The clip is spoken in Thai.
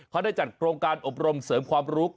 เขาได้จัดโครงการอบรมเสริมความรู้